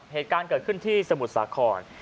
เหตุการณ์เกิดขึ้นที่สมุทรสาคร